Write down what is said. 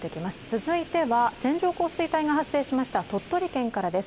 続いては、線状降水帯が発生しました鳥取からです。